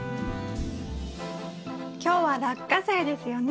今日はラッカセイですよね？